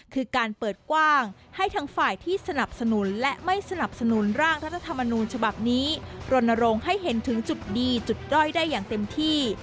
คือการเปิดกว้างให้ทั้งฝ่ายที่สนับสนุนและไม่สนับสนุนร่างรัฐธรรมนูญฉบับนี้รณรงค์ให้เห็นถึงจุดดีจุดด้อยได้อย่างเต็มที่